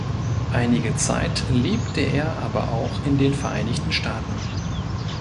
Einige Zeit lebte er aber auch in den Vereinigten Staaten.